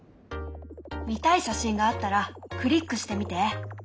見たい写真があったらクリックしてみて。